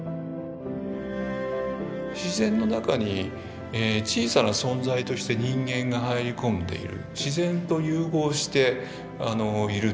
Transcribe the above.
自然の中に小さな存在として人間が入り込んでいる自然と融合しているっていうことですよね。